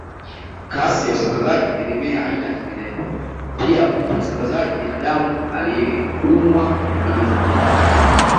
Kasi ya usambazaji hutegemea aina ya kimelea pia mbu msambazaji binadamu anayeumwa na mazingira